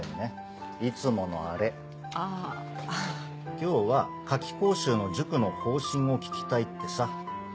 今日は夏期講習の塾の方針を聞きたいってさ。